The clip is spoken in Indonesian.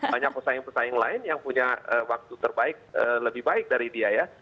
banyak pesaing pesaing lain yang punya waktu terbaik lebih baik dari dia ya